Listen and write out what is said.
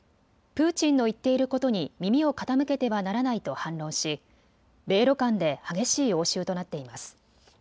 プーチンの言っていることに耳を傾けてはならないと反論し、米ロ間で激しい応酬となっています。